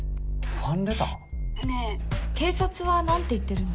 ねえ警察はなんて言ってるの？